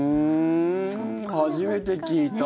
初めて聞いた。